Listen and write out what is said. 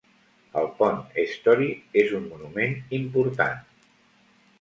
El pont Story és un monument important.